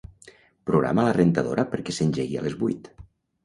Programa la rentadora perquè s'engegui a les vuit